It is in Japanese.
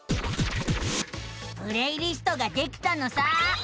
プレイリストができたのさあ。